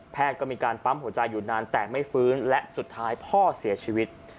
ก็มีการปั๊มหัวใจอยู่นานแต่ไม่ฟื้นและสุดท้ายพ่อเสียชีวิต